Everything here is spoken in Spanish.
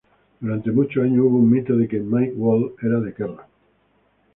Durante muchos años hubo un mito de que Mick Wall de Kerrang!